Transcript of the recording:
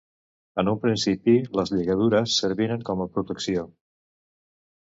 En un principi, les lligadures serviren com a protecció.